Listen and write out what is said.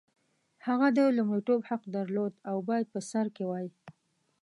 هغه د لومړیتوب حق درلود او باید په سر کې وای.